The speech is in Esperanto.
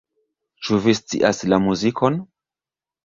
Ĉu vi scias la muzikon?